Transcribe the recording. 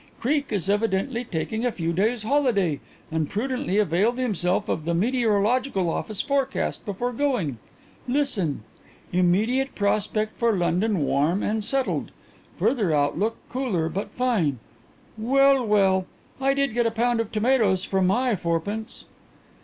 Creake is evidently taking a few days' holiday and prudently availed himself of the Meteorological Office forecast before going. Listen: 'Immediate prospect for London warm and settled. Further outlook cooler but fine.' Well, well; I did get a pound of tomatoes for my fourpence."